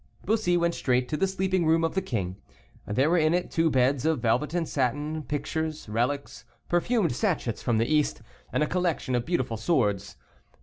Bussy went straight to the sleeping room of the king. There were in it two beds of velvet and satin, pictures, relics, perfumed sachets from the East, and a collection of beautiful swords.